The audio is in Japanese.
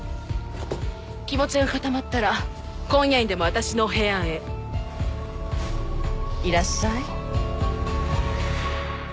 気持ちが固まったら今夜にでも私の部屋へいらっしゃい。